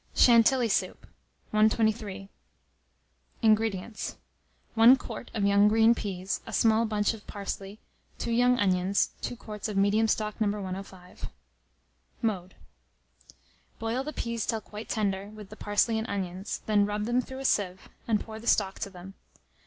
CHANTILLY SOUP. 123. INGREDIENTS. 1 quart of young green peas, a small bunch of parsley, 2 young onions, 2 quarts of medium stock No. 105. Mode. Boil the peas till quite tender, with the parsley and onions; then rub them through a sieve, and pour the stock to them.